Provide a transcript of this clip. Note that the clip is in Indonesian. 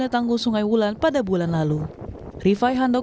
kita akan mengadakan perkayasan suasana